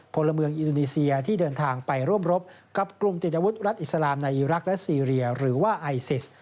พลเมืองอินโดนีเซียที่เดินทางไปร่วมรบกับกลุ่มติดอาวุธรัฐอิสลามในอีรักษ์และซีเรียหรือว่าไอซิส